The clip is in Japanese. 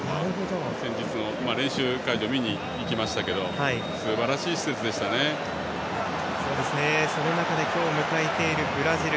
先日、練習会場を見に行きましたがその中で今日を迎えているブラジル。